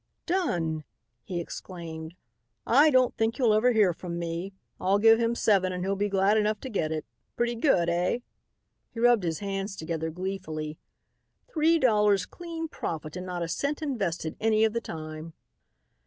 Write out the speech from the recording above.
"Done!" he exclaimed. "I don't think you'll ever hear from me. I'll give him seven and he'll be glad enough to get it. Pretty good, eh?" he rubbed his hands together gleefully. "Three dollars clean profit and not a cent invested any of the time."